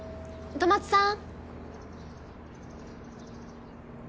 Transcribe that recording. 戸松さん？